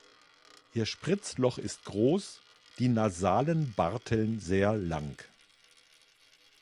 Ihr Spritzloch ist groß, die nasalen Barteln sehr lang.